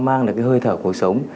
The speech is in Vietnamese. mang được hơi thở cuộc sống